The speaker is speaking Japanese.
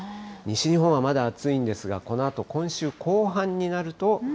西日本はまだ暑いんですが、このあと今週後半になると。